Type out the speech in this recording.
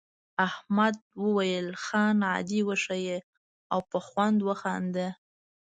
احمد وویل خان عادي وښیه او په خوند وخانده.